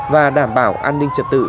và đảm bảo an ninh trật tự